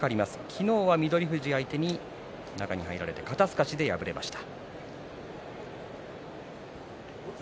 昨日は翠富士相手に中に入られ肩すかしで敗れました。